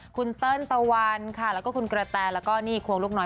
คุณเติ้ลตะวัลและคุณเกราะแตนและนี่ควงลูกน้อย